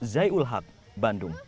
zai ul haq bandung